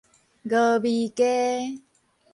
峨眉街